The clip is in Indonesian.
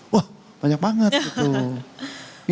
wah banyak banget gitu